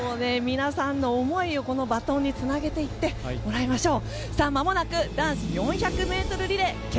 皆さんの思いをバトンにつなげて行ってもらいましょう。